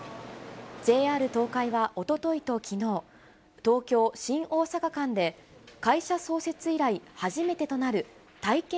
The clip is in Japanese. ＪＲ東海はおとといときのう、東京・新大阪間で、会社創設以来初めてとなる体験